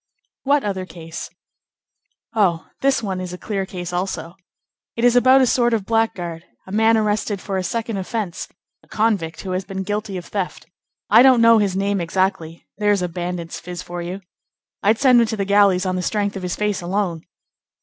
"What other case?" "Oh! this one is a clear case also. It is about a sort of blackguard; a man arrested for a second offence; a convict who has been guilty of theft. I don't know his name exactly. There's a bandit's phiz for you! I'd send him to the galleys on the strength of his face alone."